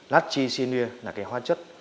natri sianua là cái hoa chất